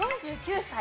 ４９歳。